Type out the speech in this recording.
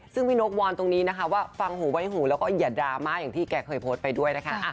ซึ่งพี่นกวอนตรงนี้นะคะว่าฟังหูไว้หูแล้วก็อย่าดราม่าอย่างที่แกเคยโพสต์ไปด้วยนะคะ